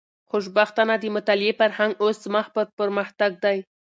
خوشبختانه، د مطالعې فرهنګ اوس مخ پر پرمختګ دی.